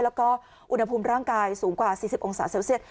แล้วก็อุณหภูมิร่างกายสูงกว่า๔๐องศาเซลเซียต